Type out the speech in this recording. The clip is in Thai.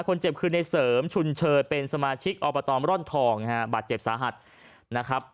คนเจ็บคือในเสริมชุนเชยเป็นสมาชิกอบตมร่อนทองนะฮะบาดเจ็บสาหัสนะครับ